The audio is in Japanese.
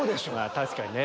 確かにね。